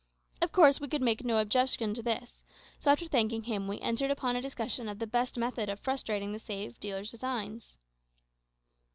Of course we could make no objection to this, so after thanking him we entered upon a discussion of the best method of frustrating the slave dealer's designs.